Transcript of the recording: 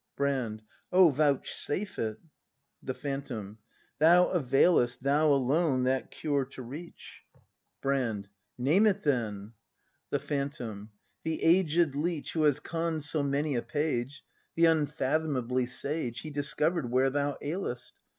Brand. Oh, vouchsafe it! The Phantom. Thou availest, Thou alone, that cure to reach. 294 BRAND [act V Brand. Name it then! The Phantom. The aged leech. Who has conn'd so many a page, — The unfathomably sage, He discovered where thou ailest.